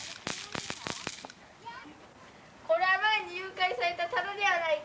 これは前に誘拐されたタノではないか。